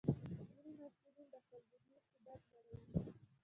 ځینې محصلین د خپل ذهني استعداد لوړوي.